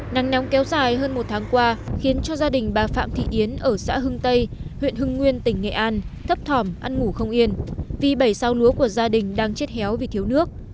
nắng nóng kéo dài hơn một tháng qua khiến cho gia đình bà phạm thị yến ở xã hưng tây huyện hưng nguyên tỉnh nghệ an thấp thỏm ăn ngủ không yên vì bảy sao lúa của gia đình đang chết héo vì thiếu nước